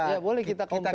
ya boleh kita compare ya